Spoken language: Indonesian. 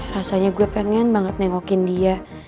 rasanya gue pengen banget nengokin dia